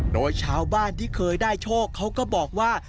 โดยชาวบ้านที่เคยได้โชคเขาก็บอกว่า